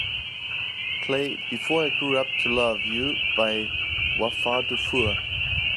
Play Before I Grew Up To Love You by Wafah Dufour